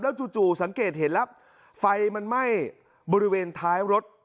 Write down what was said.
จู่สังเกตเห็นแล้วไฟมันไหม้บริเวณท้ายรถ